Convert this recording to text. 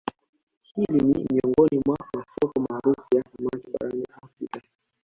Hili ni miongoni mwa masoko maarufu ya samaki barani Afrika